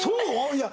いや。